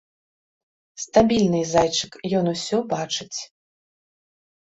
Стабільны зайчык, ён усё бачыць!